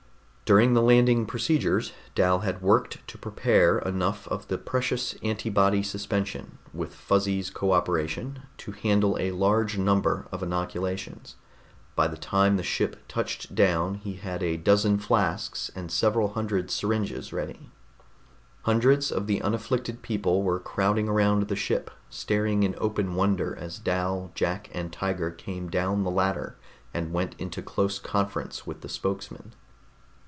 During the landing procedures, Dal had worked to prepare enough of the precious antibody suspension, with Fuzzy's co operation, to handle a large number of inoculations. By the time the ship touched down he had a dozen flasks and several hundred syringes ready. Hundreds of the unafflicted people were crowding around the ship, staring in open wonder as Dal, Jack and Tiger came down the ladder and went into close conference with the spokesman.